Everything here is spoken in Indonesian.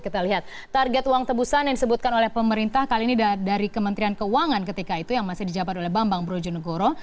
kita lihat target uang tebusan yang disebutkan oleh pemerintah kali ini dari kementerian keuangan ketika itu yang masih dijabat oleh bambang brojonegoro